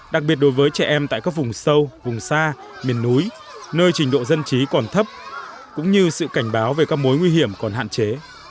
đặc biệt đối với trẻ em tại các vùng sâu vùng xa miền núi nơi trình độ dân trí còn thấp cũng như sự cảnh báo về các mối nguy hiểm còn hạn chế